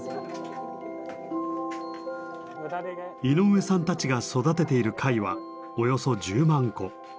井上さんたちが育てている貝はおよそ１０万個。